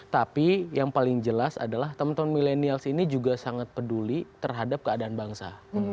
tapi yang paling jelas adalah teman teman milenials ini juga sangat peduli terhadap keadaan bangsa